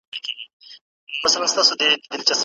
چاویل تریخ دی عجب خوږ دغه اواز دی